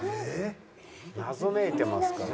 謎めいてますから。